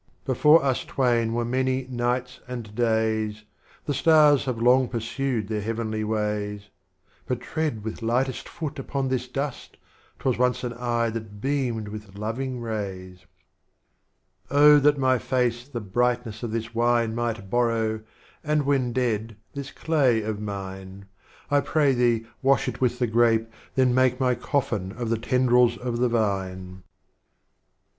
IX. Before us twain were many Nights and Days, The Stars have long pursued their Heavenly ways, — But tread with Lightest Foot upon this Dust, T was once an Eye that beamed with Loving Rays. 34 Stroplies of Omct/r KhayyAm. Oh that my Face the Brightness of this Wine Might borrow, and when dead, this Claj'^of mine, I pray Thee wash it with the Grape, then make My Coffin of the tendrils of the vine.